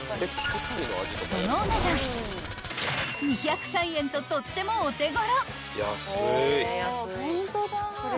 ［そのお値段２０３円ととってもお手頃］